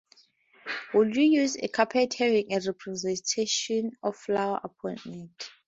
Would you use a carpet having a representation of flowers upon it?